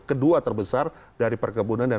kedua terbesar dari perkebunan dan